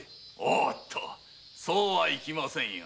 おっとそうはいきませんよ。